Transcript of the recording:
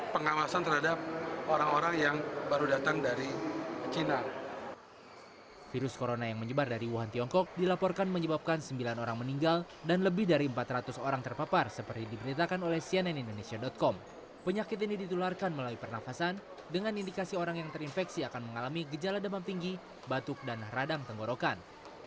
penumpang yang diketahui memiliki suhu tubuh tinggi dan terindikasi terpapar virus corona atau sejenisnya akan langsung dikarantina di terminal kedatangan